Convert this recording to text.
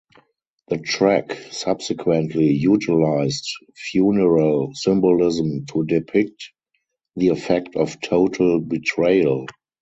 The track subsequently utilized funereal symbolism to depict the effect of total betrayal.